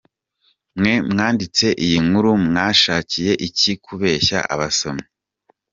“Mwe mwanditse iyi nkuru mwashakiye iki kubeshya abasomyi.